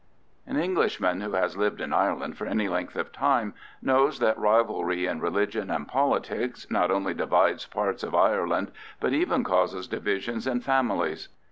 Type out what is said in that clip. An Englishman who has lived in Ireland for any length of time, knows that rivalry in religion and politics not only divides parts of Ireland, but even causes divisions in families.